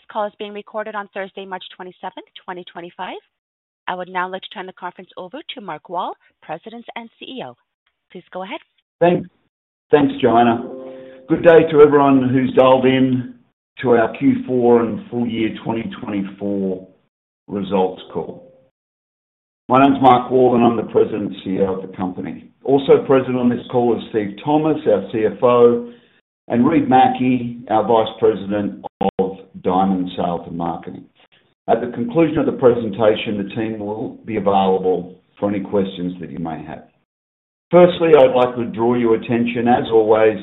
This call is being recorded on Thursday, March 27th, 2025. I would now like to turn the conference over to Mark Wall, President and CEO. Please go ahead. Thanks, Joanna. Good day to everyone who's dialed in to our Q4 and full year 2024 results call. My name's Mark Wall, and I'm the President and CEO of the company. Also present on this call is Steve Thomas, our CFO, and Reid Mackie, our Vice President of Diamonds Sales and Marketing. At the conclusion of the presentation, the team will be available for any questions that you may have. Firstly, I'd like to draw your attention, as always,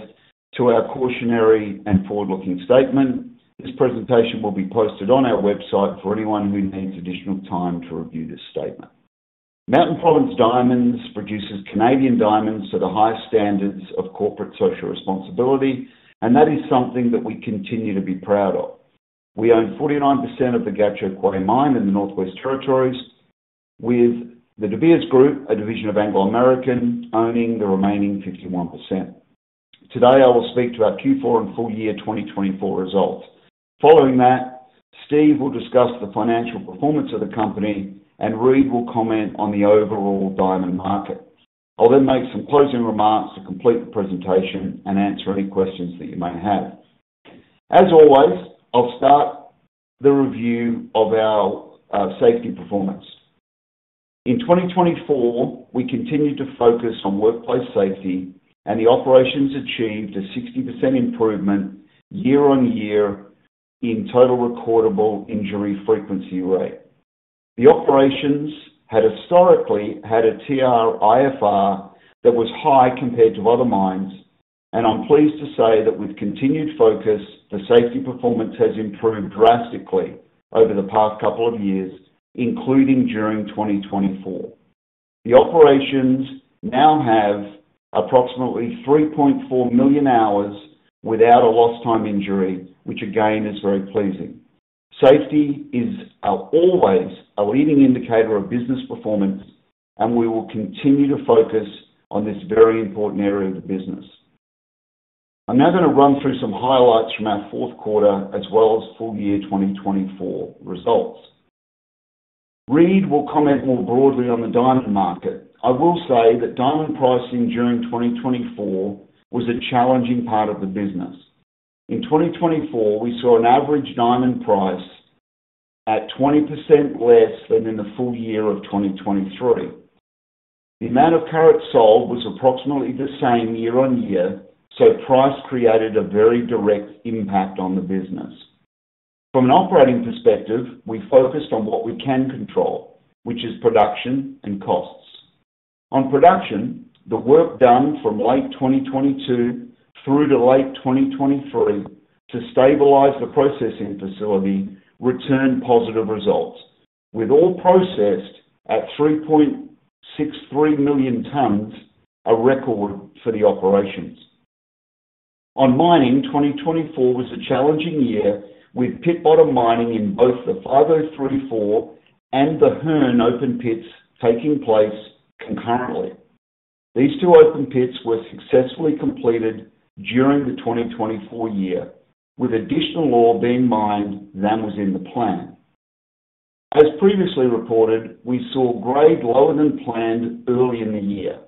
to our cautionary and forward-looking statement. This presentation will be posted on our website for anyone who needs additional time to review this statement. Mountain Province Diamonds produces Canadian diamonds to the highest standards of corporate social responsibility, and that is something that we continue to be proud of. We own 49% of the Gahcho Kué mine in the Northwest Territories, with the De Beers Group, a division of Anglo American, owning the remaining 51%. Today, I will speak to our Q4 and full year 2024 results. Following that, Steve will discuss the financial performance of the company, and Reid will comment on the overall diamond market. I'll then make some closing remarks to complete the presentation and answer any questions that you may have. As always, I'll start the review of our safety performance. In 2024, we continued to focus on workplace safety, and the operations achieved a 60% improvement year-on-year in total recordable injury frequency rate. The operations had historically had a TRIFR that was high compared to other mines, and I'm pleased to say that with continued focus, the safety performance has improved drastically over the past couple of years, including during 2024. The operations now have approximately 3.4 million hours without a lost-time injury, which again is very pleasing. Safety is always a leading indicator of business performance, and we will continue to focus on this very important area of the business. I'm now going to run through some highlights from our fourth quarter as well as full year 2024 results. Reid will comment more broadly on the diamond market. I will say that diamond pricing during 2024 was a challenging part of the business. In 2024, we saw an average diamond price at 20% less than in the full year of 2023. The amount of carats sold was approximately the same year on year, so price created a very direct impact on the business. From an operating perspective, we focused on what we can control, which is production and costs. On production, the work done from late 2022 through to late 2023 to stabilize the processing facility returned positive results, with all processed at 3.63 million tons, a record for the operations. On mining, 2024 was a challenging year with pit bottom mining in both the 5034 and the Hearne open pits taking place concurrently. These two open pits were successfully completed during the 2024 year, with additional ore being mined than was in the plan. As previously reported, we saw grade lower than planned early in the year.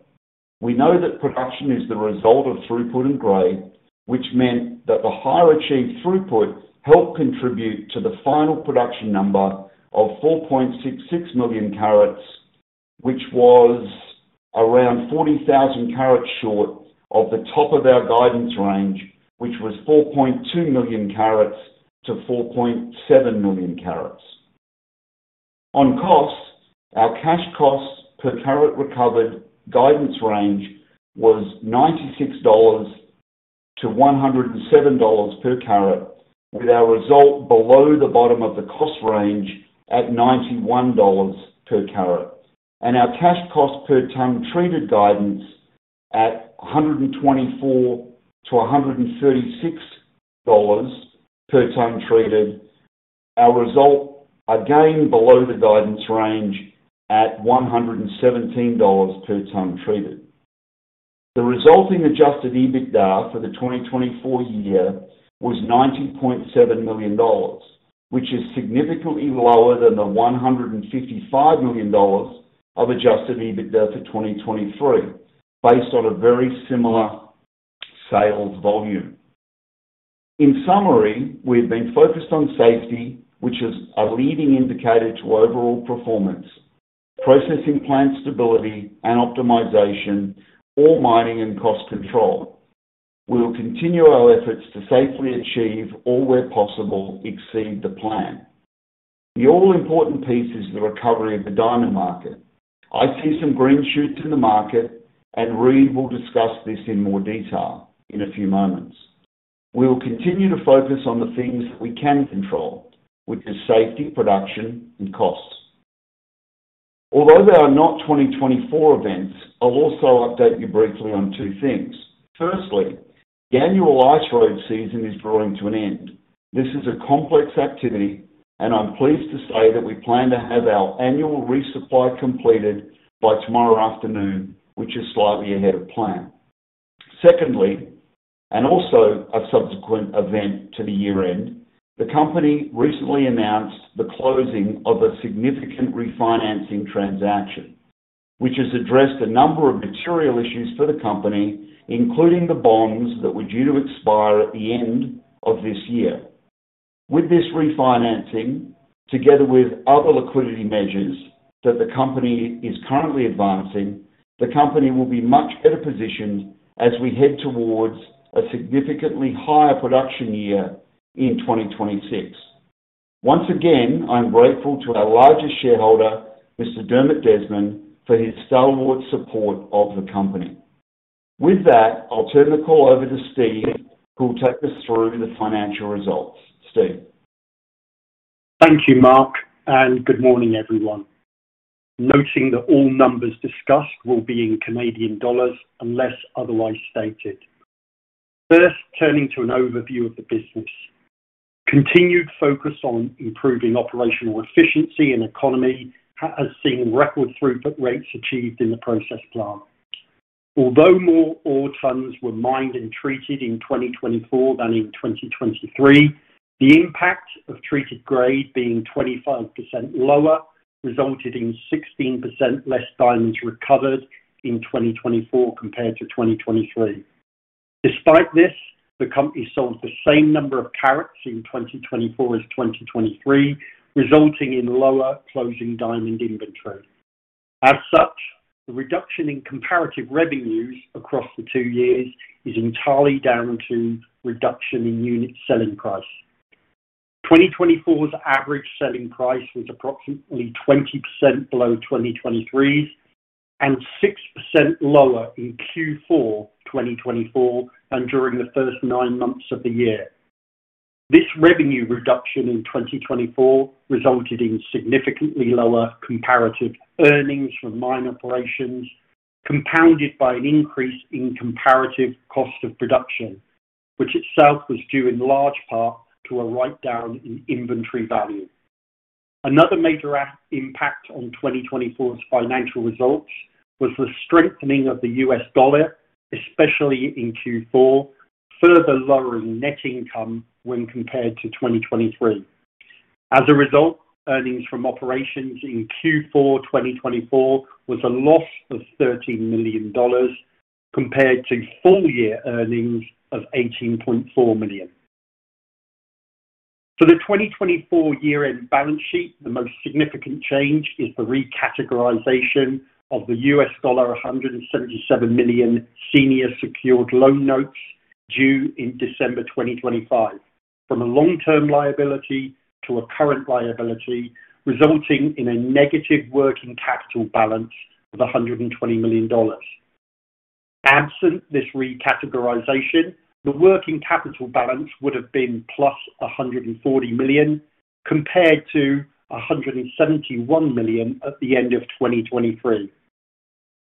We know that production is the result of throughput and grade, which meant that the higher achieved throughput helped contribute to the final production number of 4.66 million carats, which was around 40,000 carats short of the top of our guidance range, which was 4.2 million carats-4.7 million carats. On costs, our cash cost per carat recovered guidance range was 96-107 dollars per carat, with our result below the bottom of the cost range at 91 dollars per carat, and our cash cost per ton treated guidance at 124-136 dollars per ton treated, our result again below the guidance range at 117 dollars per ton treated. The resulting adjusted EBITDA for the 2024 year was 90.7 million dollars, which is significantly lower than the 155 million dollars of adjusted EBITDA for 2023, based on a very similar sales volume. In summary, we have been focused on safety, which is a leading indicator to overall performance, processing plant stability and optimization, ore mining and cost control. We will continue our efforts to safely achieve, or where possible, exceed the plan. The all-important piece is the recovery of the diamond market. I see some green shoots in the market, and Reid will discuss this in more detail in a few moments. We will continue to focus on the things that we can control, which is safety, production, and costs. Although there are not 2024 events, I will also update you briefly on two things. Firstly, the annual ice road season is drawing to an end. This is a complex activity, and I am pleased to say that we plan to have our annual resupply completed by tomorrow afternoon, which is slightly ahead of plan. Secondly, and also a subsequent event to the year end, the company recently announced the closing of a significant refinancing transaction, which has addressed a number of material issues for the company, including the bonds that were due to expire at the end of this year. With this refinancing, together with other liquidity measures that the company is currently advancing, the company will be much better positioned as we head towards a significantly higher production year in 2026. Once again, I'm grateful to our largest shareholder, Mr. Dermot Desmond, for his stalwart support of the company. With that, I'll turn the call over to Steve, who will take us through the financial results. Steve. Thank you, Mark, and good morning, everyone. Noting that all numbers discussed will be in Canadian dollars unless otherwise stated. First, turning to an overview of the business. Continued focus on improving operational efficiency and economy has seen record throughput rates achieved in the process plant. Although more ore tons were mined and treated in 2024 than in 2023, the impact of treated grade being 25% lower resulted in 16% less diamonds recovered in 2024 compared to 2023. Despite this, the company sold the same number of carats in 2024 as 2023, resulting in lower closing diamond inventory. As such, the reduction in comparative revenues across the two years is entirely down to reduction in unit selling price. 2024's average selling price was approximately 20% below 2023 and 6% lower in Q4 2024 than during the first nine months of the year. This revenue reduction in 2024 resulted in significantly lower comparative earnings from mine operations, compounded by an increase in comparative cost of production, which itself was due in large part to a write-down in inventory value. Another major impact on 2024's financial results was the strengthening of the U.S. dollar, especially in Q4, further lowering net income when compared to 2023. As a result, earnings from operations in Q4 2024 was a loss of CAD 13 million compared to full year earnings of CAD 18.4 million. For the 2024 year-end balance sheet, the most significant change is the recategorization of the $177 million senior secured loan notes due in December 2025, from a long-term liability to a current liability, resulting in a negative working capital balance of 120 million dollars. Absent this recategorization, the working capital balance would have been +140 million compared to 171 million at the end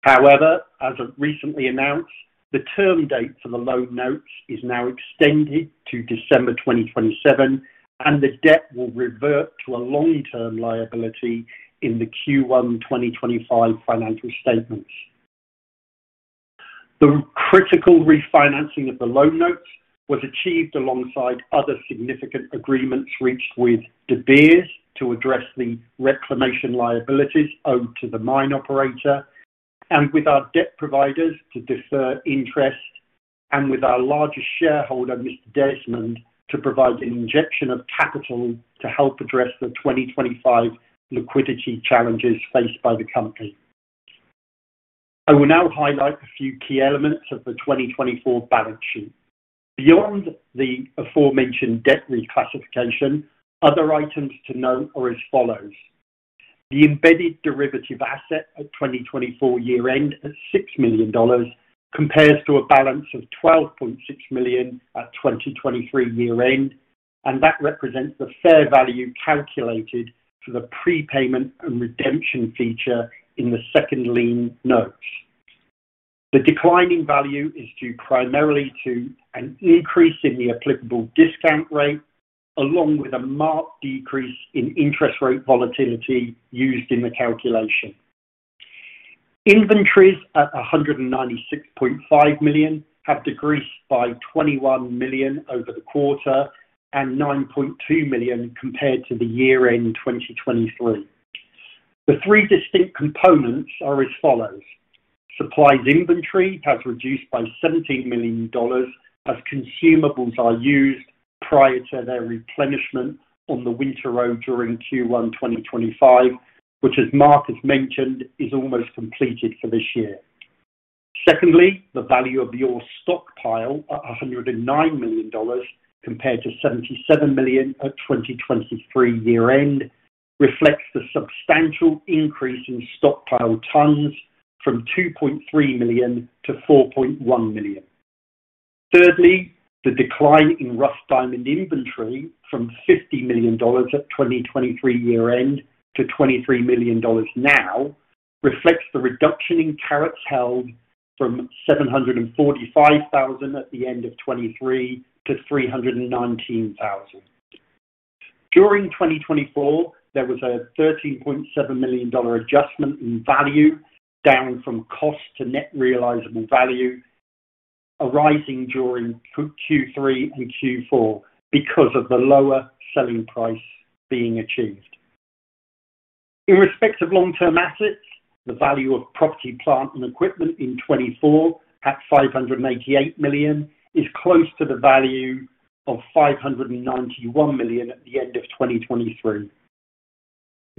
of 2023. However, as recently announced, the term date for the loan notes is now extended to December 2027, and the debt will revert to a long-term liability in the Q1 2025 financial statements. The critical refinancing of the loan notes was achieved alongside other significant agreements reached with De Beers to address the reclamation liabilities owed to the mine operator, and with our debt providers to defer interest, and with our largest shareholder, Mr. Desmond, to provide an injection of capital to help address the 2025 liquidity challenges faced by the company. I will now highlight a few key elements of the 2024 balance sheet. Beyond the aforementioned debt reclassification, other items to note are as follows. The embedded derivative asset at 2024 year-end at 6 million dollars compares to a balance of 12.6 million at 2023 year-end, and that represents the fair value calculated for the prepayment and redemption feature in the second lien notes. The declining value is due primarily to an increase in the applicable discount rate, along with a marked decrease in interest rate volatility used in the calculation. Inventories at 196.5 million have decreased by 21 million over the quarter and 9.2 million compared to the year-end 2023. The three distinct components are as follows. Supplies inventory has reduced by 17 million dollars as consumables are used prior to their replenishment on the winter road during Q1 2025, which, as Mark has mentioned, is almost completed for this year. Secondly, the value of the ore stockpile at 109 million dollars compared to 77 million at 2023 year-end reflects the substantial increase in stockpile tons from 2.3 million to 4.1 million. Thirdly, the decline in rough diamond inventory from 50 million dollars at 2023 year-end to 23 million dollars now reflects the reduction in carats held from 745,000 at the end of 2023 to 319,000. During 2024, there was a 13.7 million dollar adjustment in value down from cost to net realizable value, arising during Q3 and Q4 because of the lower selling price being achieved. In respect of long-term assets, the value of property, plant, and equipment in 2024 at 588 million is close to the value of 591 million at the end of 2023.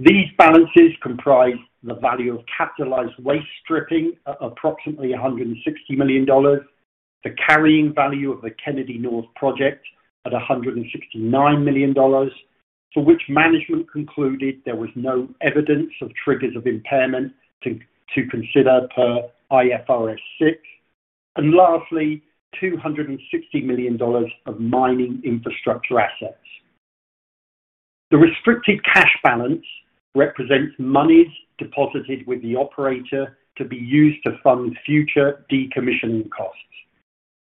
These balances comprise the value of capitalized waste stripping at approximately 160 million dollars, the carrying value of the Kennady North Project at 169 million dollars, for which management concluded there was no evidence of triggers of impairment to consider per IFRS 6, and lastly, 260 million dollars of mining infrastructure assets. The restricted cash balance represents monies deposited with the operator to be used to fund future decommissioning costs.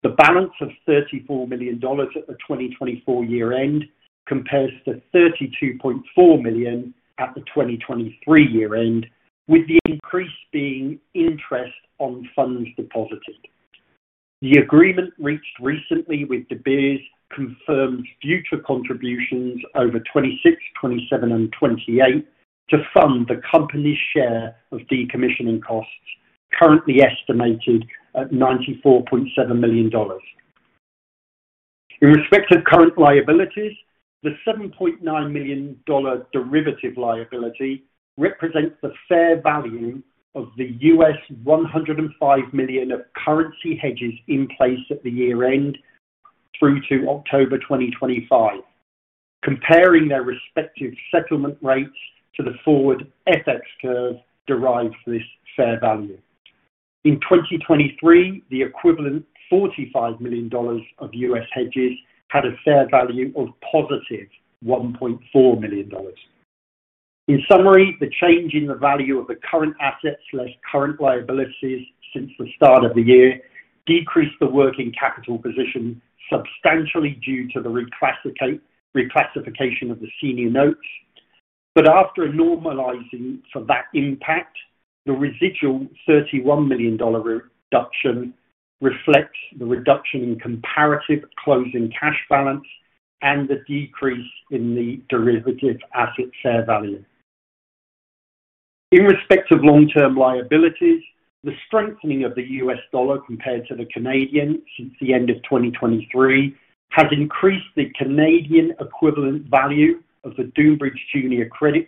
The balance of 34 million dollars at the 2024 year-end compares to 32.4 million at the 2023 year-end, with the increase being interest on funds deposited. The agreement reached recently with De Beers confirmed future contributions over 2026, 2027, and 2028 to fund the company's share of decommissioning costs, currently estimated at 94.7 million dollars. In respect of current liabilities, the 7.9 million dollar derivative liability represents the fair value of the $105 million of currency hedges in place at the year-end through to October 2025, comparing their respective settlement rates to the forward FX curve derived for this fair value. In 2023, the equivalent $45 million of U.S. hedges had a fair value of +$1.4 million. In summary, the change in the value of the current assets less current liabilities since the start of the year decreased the working capital position substantially due to the reclassification of the senior notes, but after normalizing for that impact, the residual 31 million dollar reduction reflects the reduction in comparative closing cash balance and the decrease in the derivative asset fair value. In respect of long-term liabilities, the strengthening of the U.S. dollar compared to the Canadian since the end of 2023 has increased the Canadian equivalent value of the Dunebridge Junior Credit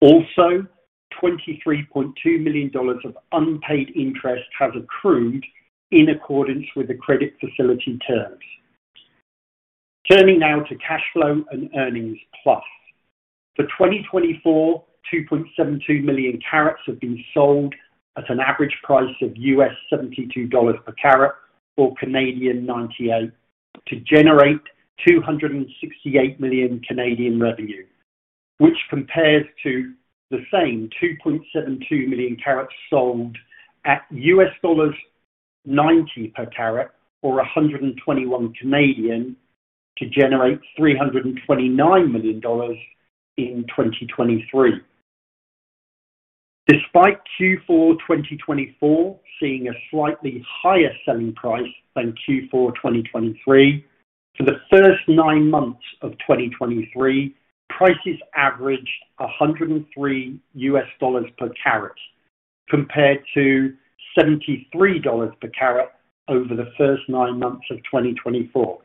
Facility by 5.7 million. Also, 23.2 million dollars of unpaid interest has accrued in accordance with the credit facility terms. Turning now to cash flow and earnings plus. For 2024, 2.72 million carats have been sold at an average price of $72 per carat or 98 to generate 268 million revenue, which compares to the same 2.72 million carats sold at $90 per carat or 121 to generate 329 million dollars in 2023. Despite Q4 2024 seeing a slightly higher selling price than Q4 2023, for the first nine months of 2023, prices averaged $103 per carat compared to $73 per carat over the first nine months of 2024,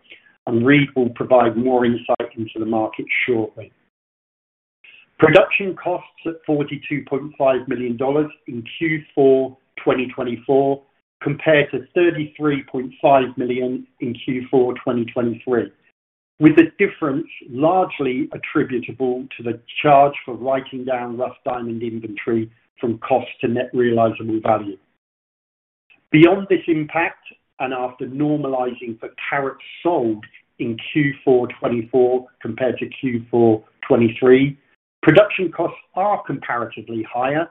and Reid will provide more insight into the market shortly. Production costs at 42.5 million dollars in Q4 2024 compared to 33.5 million in Q4 2023, with the difference largely attributable to the charge for writing down rough diamond inventory from cost to net realizable value. Beyond this impact, and after normalizing for carats sold in Q4 2024 compared to Q4 2023, production costs are comparatively higher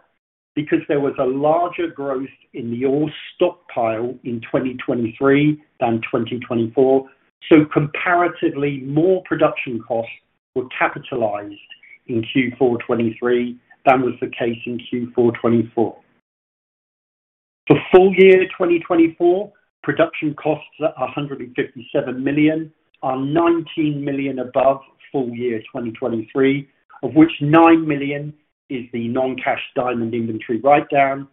because there was a larger growth in the ore stockpile in 2023 than 2024, so comparatively more production costs were capitalized in Q4 2023 than was the case in Q4 2024. For full year 2024, production costs at 157 million are 19 million above full year 2023, of which 9 million is the non-cash diamond inventory write-down,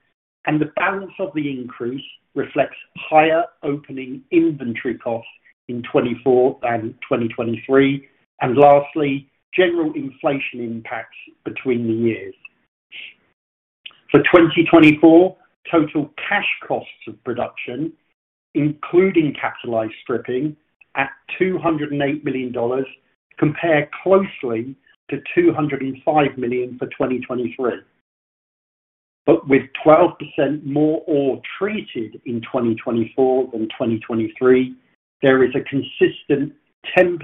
and the balance of the increase reflects higher opening inventory costs in 2024 than 2023, and lastly, general inflation impacts between the years. For 2024, total cash costs of production, including capitalized stripping, at 208 million dollars compare closely to 205 million for 2023. With 12% more ore treated in 2024 than 2023, there is a consistent 10%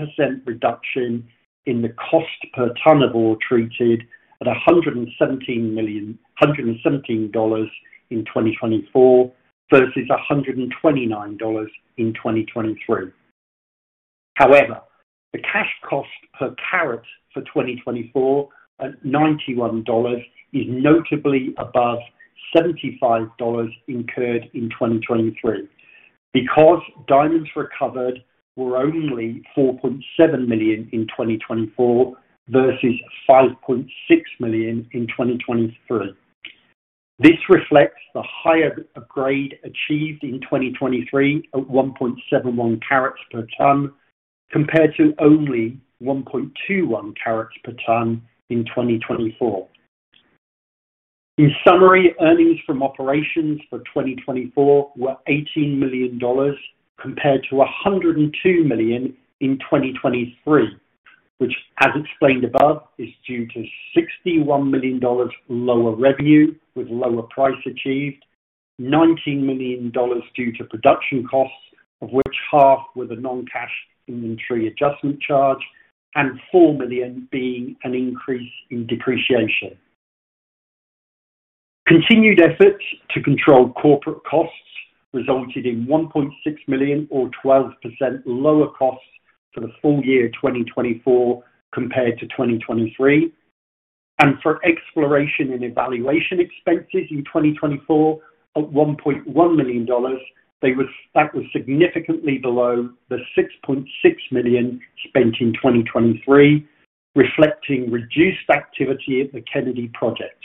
reduction in the cost per ton of ore treated at 117 in 2024 versus 129 dollars in 2023. However, the cash cost per carat for 2024 at CAD 91 is notably above 75 dollars incurred in 2023 because diamonds recovered were only 4.7 million in 2024 versus 5.6 million in 2023. This reflects the higher grade achieved in 2023 at 1.71 carats per ton compared to only 1.21 carats per ton in 2024. In summary, earnings from operations for 2024 were 18 million dollars compared to 102 million in 2023, which, as explained above, is due to 61 million dollars lower revenue with lower price achieved, 19 million dollars due to production costs, of which half were the non-cash inventory adjustment charge, and 4 million being an increase in depreciation. Continued efforts to control corporate costs resulted in 1.6 million or 12% lower costs for the full year 2024 compared to 2023, and for exploration and evaluation expenses in 2024 at 1.1 million dollars, that was significantly below the 6.6 million spent in 2023, reflecting reduced activity at the Kennady Project.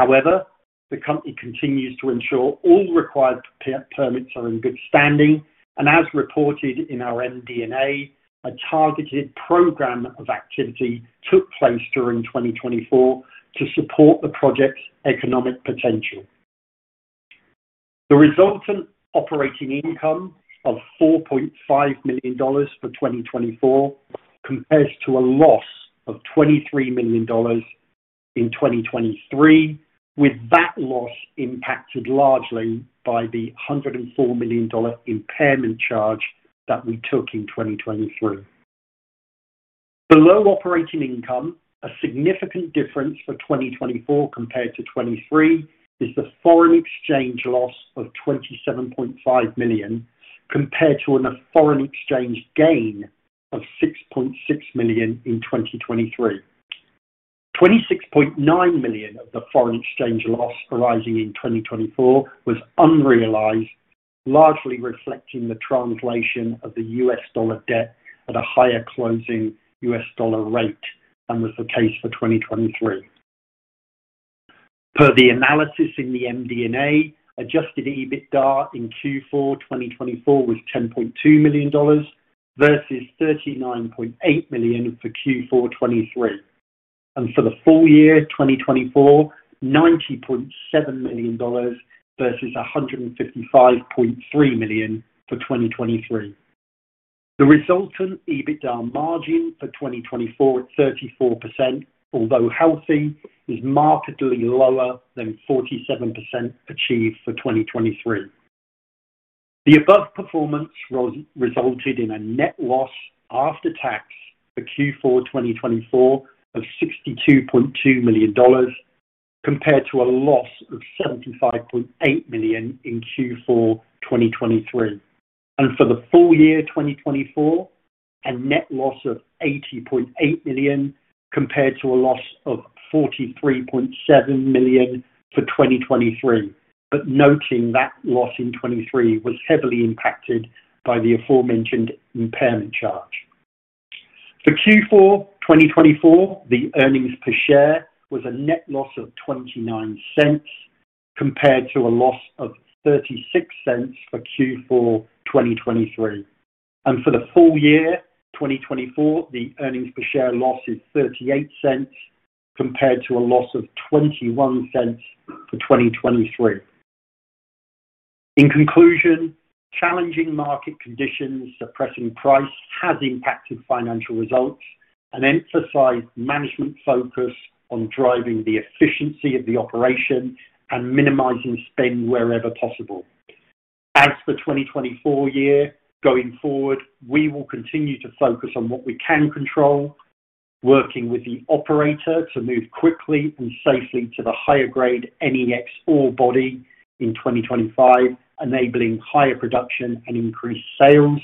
However, the company continues to ensure all required permits are in good standing, and as reported in our MD&A, a targeted program of activity took place during 2024 to support the project's economic potential. The resultant operating income of 4.5 million dollars for 2024 compares to a loss of 23 million dollars in 2023, with that loss impacted largely by the 104 million dollar impairment charge that we took in 2023. Below operating income, a significant difference for 2024 compared to 2023 is the foreign exchange loss of 27.5 million compared to a foreign exchange gain of 6.6 million in 2023. 26.9 million of the foreign exchange loss arising in 2024 was unrealized, largely reflecting the translation of the U.S. dollar debt at a higher closing U.S. dollar rate, and was the case for 2023. Per the analysis in the MD&A, adjusted EBITDA in Q4 2024 was 10.2 million dollars versus 39.8 million for Q4 2023, and for the full year 2024, 90.7 million dollars versus 155.3 million for 2023. The resultant EBITDA margin for 2024 at 34%, although healthy, is markedly lower than 47% achieved for 2023. The above performance resulted in a net loss after tax for Q4 2024 of 62.2 million dollars compared to a loss of 75.8 million in Q4 2023, and for the full year 2024, a net loss of 80.8 million compared to a loss of 43.7 million for 2023, but noting that loss in 2023 was heavily impacted by the aforementioned impairment charge. For Q4 2024, the earnings per share was a net loss of 0.29 compared to a loss of 0.36 for Q4 2023, and for the full year 2024, the earnings per share loss is 0.38 compared to a loss of 0.21 for 2023. In conclusion, challenging market conditions suppressing price has impacted financial results and emphasized management focus on driving the efficiency of the operation and minimizing spend wherever possible. As for 2024 year, going forward, we will continue to focus on what we can control, working with the operator to move quickly and safely to the higher grade NEX ore body in 2025, enabling higher production and increased sales,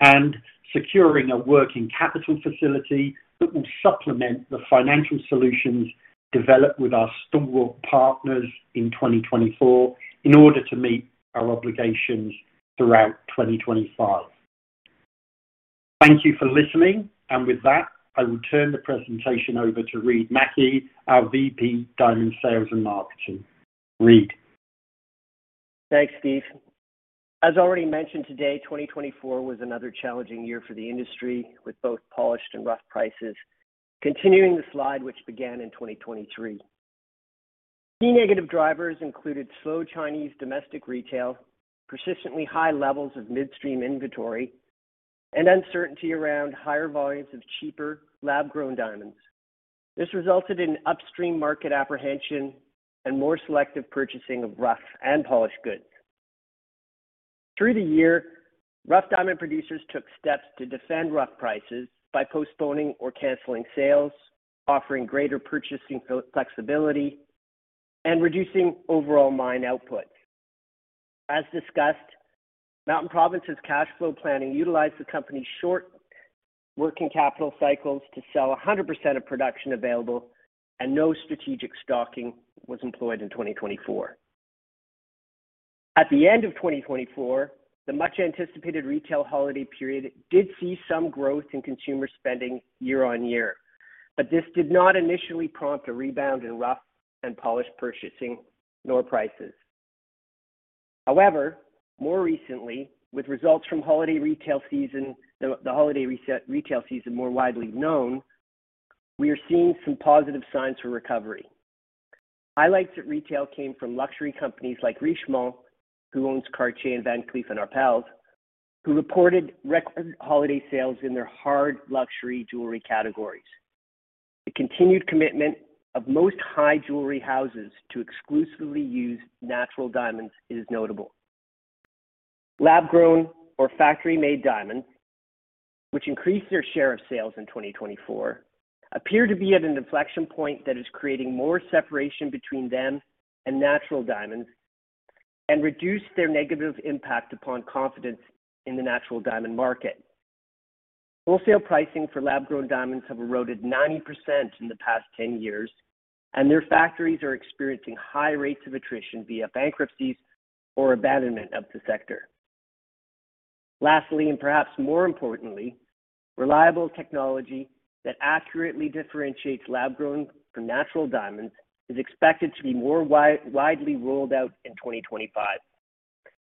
and securing a working capital facility that will supplement the financial solutions developed with our Dunebridge partners in 2024 in order to meet our obligations throughout 2025. Thank you for listening, and with that, I will turn the presentation over to Reid Mackie, our VP Diamond Sales and Marketing. Reid. Thanks, Steve. As already mentioned today, 2024 was another challenging year for the industry with both polished and rough prices, continuing the slide which began in 2023. Key negative drivers included slow Chinese domestic retail, persistently high levels of midstream inventory, and uncertainty around higher volumes of cheaper lab-grown diamonds. This resulted in upstream market apprehension and more selective purchasing of rough and polished goods. Through the year, rough diamond producers took steps to defend rough prices by postponing or canceling sales, offering greater purchasing flexibility, and reducing overall mine output. As discussed, Mountain Province's cash flow planning utilized the company's short working capital cycles to sell 100% of production available, and no strategic stocking was employed in 2024. At the end of 2024, the much-anticipated retail holiday period did see some growth in consumer spending year on year, but this did not initially prompt a rebound in rough and polished purchasing nor prices. However, more recently, with results from the holiday retail season more widely known, we are seeing some positive signs for recovery. Highlights at retail came from luxury companies like Richemont, who owns Cartier and Van Cleef & Arpels, who reported record holiday sales in their hard luxury jewelry categories. The continued commitment of most high jewelry houses to exclusively use natural diamonds is notable. Lab-grown or factory-made diamonds, which increased their share of sales in 2024, appear to be at an inflection point that is creating more separation between them and natural diamonds and reduced their negative impact upon confidence in the natural diamond market. Wholesale pricing for lab-grown diamonds have eroded 90% in the past 10 years, and their factories are experiencing high rates of attrition via bankruptcies or abandonment of the sector. Lastly, and perhaps more importantly, reliable technology that accurately differentiates lab-grown from natural diamonds is expected to be more widely rolled out in 2025.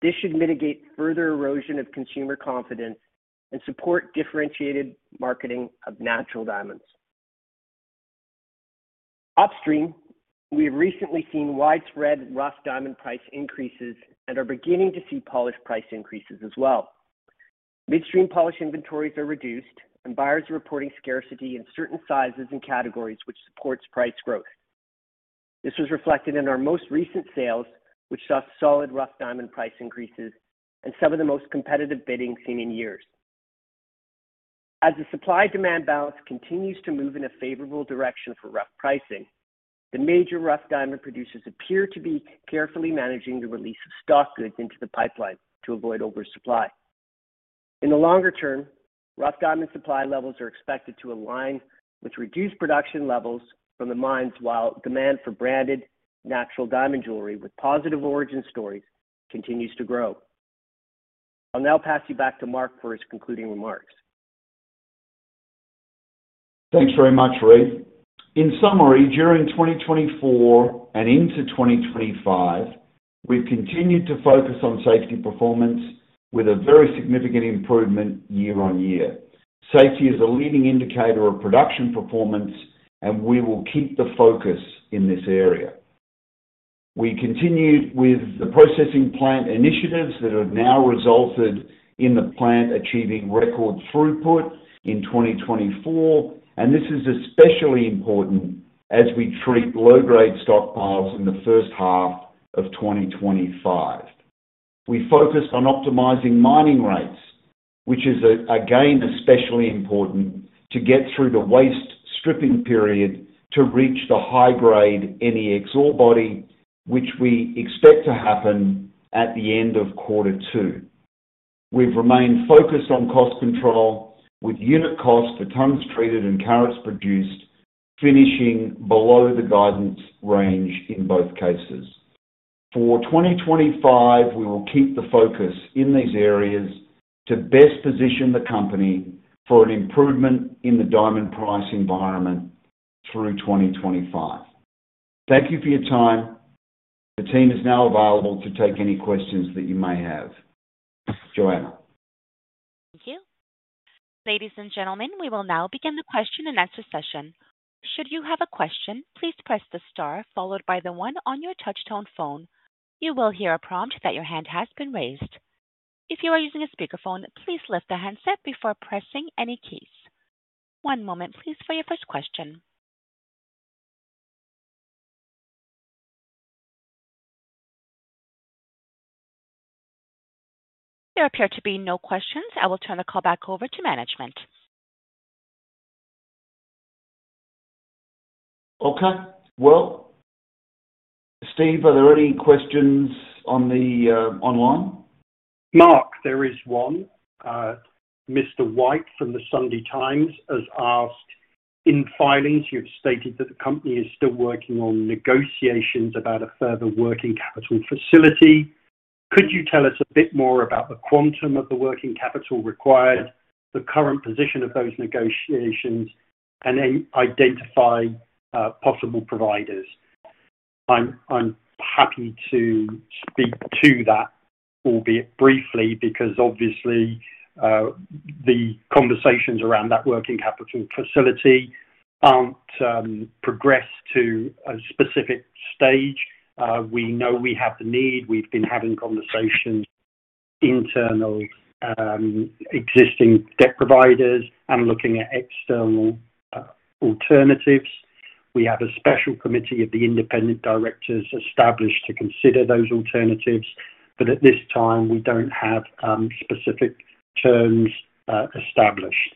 This should mitigate further erosion of consumer confidence and support differentiated marketing of natural diamonds. Upstream, we have recently seen widespread rough diamond price increases and are beginning to see polished price increases as well. Midstream polished inventories are reduced, and buyers are reporting scarcity in certain sizes and categories, which supports price growth. This was reflected in our most recent sales, which saw solid rough diamond price increases and some of the most competitive bidding seen in years. As the supply-demand balance continues to move in a favorable direction for rough pricing, the major rough diamond producers appear to be carefully managing the release of stock goods into the pipeline to avoid oversupply. In the longer term, rough diamond supply levels are expected to align with reduced production levels from the mines while demand for branded natural diamond jewelry with positive origin stories continues to grow. I'll now pass you back to Mark for his concluding remarks. Thanks very much, Reid. In summary, during 2024 and into 2025, we've continued to focus on safety performance with a very significant improvement year on year. Safety is a leading indicator of production performance, and we will keep the focus in this area. We continued with the processing plant initiatives that have now resulted in the plant achieving record throughput in 2024, and this is especially important as we treat low-grade stockpiles in the first half of 2025. We focused on optimizing mining rates, which is, again, especially important to get through the waste stripping period to reach the high-grade NEX ore body, which we expect to happen at the end of quarter two. We have remained focused on cost control with unit costs for tons treated and carats produced finishing below the guidance range in both cases. For 2025, we will keep the focus in these areas to best position the company for an improvement in the diamond price environment through 2025. Thank you for your time. The team is now available to take any questions that you may have. Joanna. Thank you. Ladies and gentlemen, we will now begin the question and answer session. Should you have a question, please press the star followed by the one on your touch-tone phone. You will hear a prompt that your hand has been raised. If you are using a speakerphone, please lift the handset before pressing any keys. One moment, please, for your first question. There appear to be no questions. I will turn the call back over to management. Okay. Steve, are there any questions online? Mark, there is one. Mr. White from the Sunday Times has asked, "In filings, you've stated that the company is still working on negotiations about a further working capital facility. Could you tell us a bit more about the quantum of the working capital required, the current position of those negotiations, and then identify possible providers? I'm happy to speak to that, albeit briefly, because obviously the conversations around that working capital facility aren't progressed to a specific stage. We know we have the need. We've been having conversations with internal existing debt providers and looking at external alternatives. We have a special committee of the independent directors established to consider those alternatives, but at this time, we don't have specific terms established.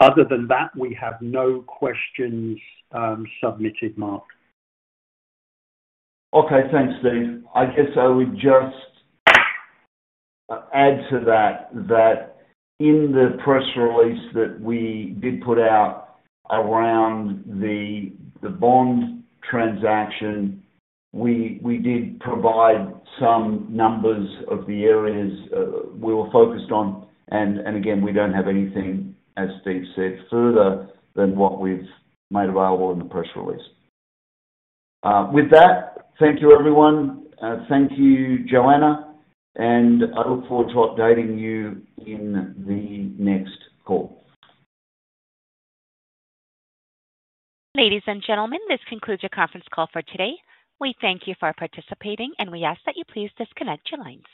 Other than that, we have no questions submitted, Mark. Okay. Thanks, Steve. I guess I would just add to that that in the press release that we did put out around the bond transaction, we did provide some numbers of the areas we were focused on, and again, we do not have anything, as Steve said, further than what we have made available in the press release. With that, thank you, everyone. Thank you, Joanna, and I look forward to updating you in the next call. Ladies and gentlemen, this concludes your conference call for today. We thank you for participating, and we ask that you please disconnect your lines.